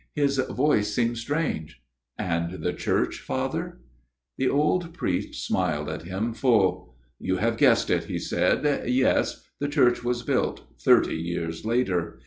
His voice seemed strange. " And the church, Father ?" The old priest smiled at him full. ' You have guessed it," he said. " Yes : the church was built thirty years later.